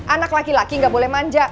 anak laki laki nggak boleh manja